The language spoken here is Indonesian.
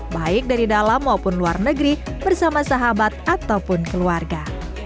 baik dari dalam maupun luar negeri bersama sahabat ataupun keluarga